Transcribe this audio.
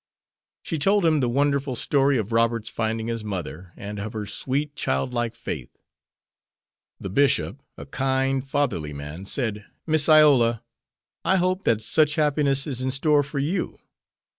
She told him the wonderful story of Robert's finding his mother, and of her sweet, childlike faith. The bishop, a kind, fatherly man, said, "Miss Iola, I hope that such happiness is in store for you.